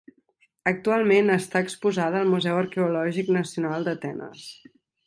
Actualment està exposada al Museu Arqueològic Nacional d'Atenes.